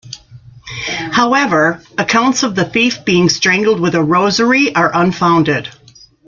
However, accounts of the thief being strangled with a rosary are unfounded.